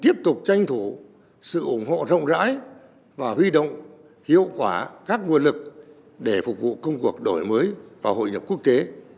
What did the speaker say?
tiếp tục tranh thủ sự ủng hộ rộng rãi và huy động hiệu quả các nguồn lực để phục vụ công cuộc đổi mới và hội nhập quốc tế